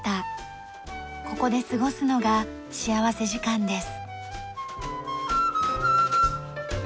ここで過ごすのが幸福時間です。